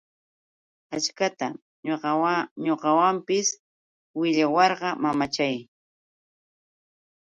Achkatam ñuqatapis willawarqa mamachay.